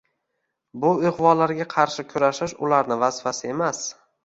— Bu ig‘volarga qarshi kurashish ularning vazifasi emas.